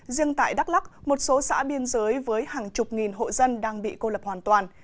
riêng tại đắk lắc một số xã biên giới với hàng chục nghìn hộ dân đang bị cô lập hoàn toàn